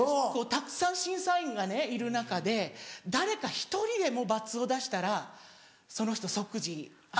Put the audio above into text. たくさん審査員がねいる中で誰か１人でもバツを出したらその人即時。